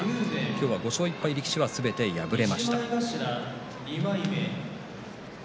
今日は５勝１敗力士はすべて敗れました。